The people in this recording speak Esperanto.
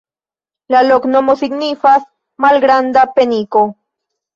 La loknomo signifas: malgranda-peniko.